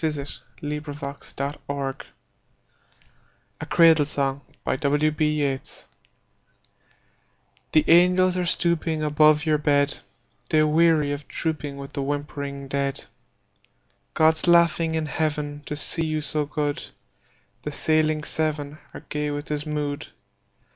William Butler Yeats A Cradle Song THE angels are stooping Above your bed; They weary of trooping With the whimpering dead. God's laughing in Heaven To see you so good; The Sailing Seven Are gay with his mood.